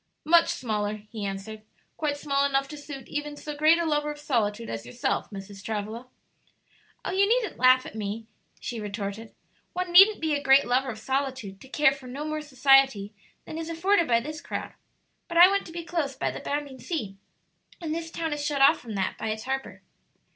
"Much smaller," he answered; "quite small enough to suit even so great a lover of solitude as yourself, Mrs. Travilla." "Oh, you needn't laugh at me," she retorted; "one needn't be a great lover of solitude to care for no more society than is afforded by this crowd. But I want to be close by the bounding sea, and this town is shut off from that by its harbor."